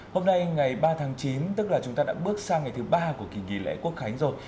hôm nay ngày ba tháng chín tức là chúng ta đã bước sang ngày thứ ba của kỳ nghỉ lễ quốc khánh rồi